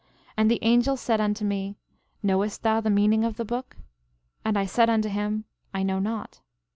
13:21 And the angel said unto me: Knowest thou the meaning of the book? 13:22 And I said unto him: I know not.